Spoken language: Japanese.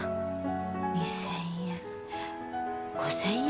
２，０００円５，０００円？